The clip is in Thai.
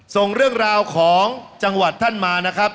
ส่งเรื่องราวของจังหวัดท่านมานะครับ